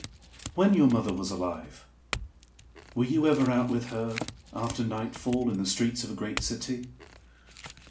"WHEN your mother was alive were you ever out with her after nightfall in the streets of a great city?"